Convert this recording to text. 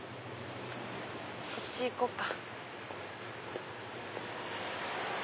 こっち行こうか。